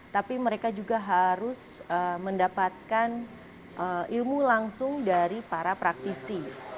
tapi mereka juga harus mendapatkan ilmu langsung dari para praktisi